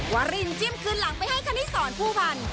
วารินจิ้มคืนหลังไปให้คณิตสอนผู้พันธ์